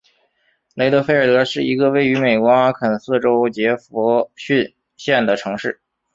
雷德菲尔德是一个位于美国阿肯色州杰佛逊县的城市。